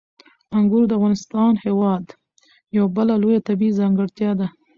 انګور د افغانستان هېواد یوه بله لویه طبیعي ځانګړتیا ده.